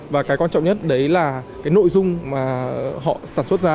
và cái quan trọng nhất đấy là cái nội dung mà họ sản xuất ra